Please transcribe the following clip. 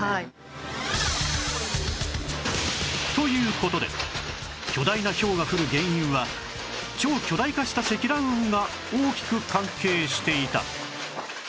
という事で巨大なひょうが降る原因は超巨大化した積乱雲が大きく関係していた